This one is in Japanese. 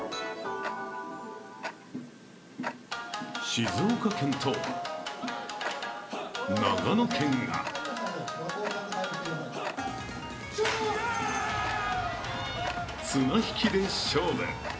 静岡県と、長野県が綱引きで勝負。